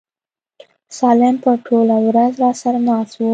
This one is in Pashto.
سالم به ټوله ورځ راسره ناست و.